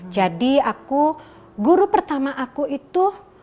jadi aku guru pertama aku itu